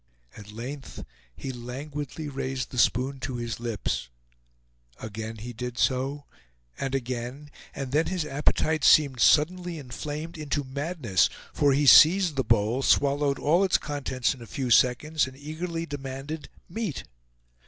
At length he languidly raised the spoon to his lips; again he did so, and again; and then his appetite seemed suddenly inflamed into madness, for he seized the bowl, swallowed all its contents in a few seconds, and eagerly demanded meat.